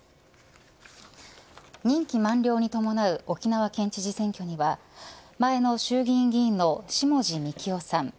任期満了に伴う沖縄県知事選挙には前の衆議院議員の下地幹郎さん